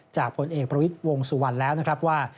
ผลเอกประวิทย์วงสุวรรณแล้วนะครับว่า